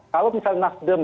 kalau misalnya nasdem